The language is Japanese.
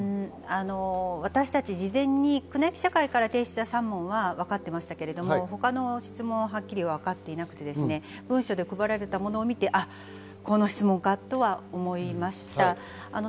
私たち、事前に宮内記者会から出た質問は分かっていましたけれども、他の質問は分かっていなくて、文書で配られたものを見て、この質問かと思いました。